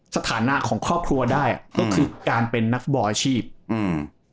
สถานะของครอบครัวได้อ่ะก็คือการเป็นนักฟุตบอลอาชีพอืม